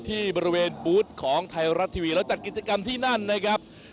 ที่บริเวณบูธของไทยรัฐทีวีแล้วจัดกิจกรรมที่นั่นนะครับ